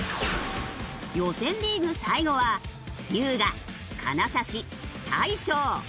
予選リーグ最後は龍我金指大昇。